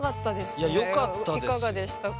いかがでしたか？